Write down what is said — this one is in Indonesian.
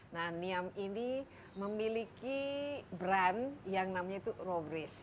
nah niam ini memiliki brand yang namanya itu robris